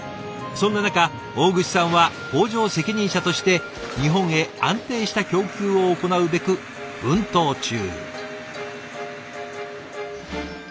そんな中大串さんは工場責任者として日本へ安定した供給を行うべく奮闘中。